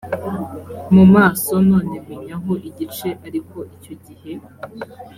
mu maso none menyaho igice ariko icyo gihe